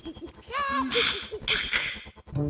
まったく。